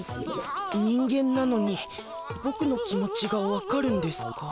人間なのにボクの気持ちが分かるんですか？